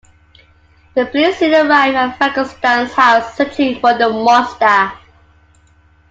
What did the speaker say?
The police soon arrive at Frankenstein's house, searching for the Monster.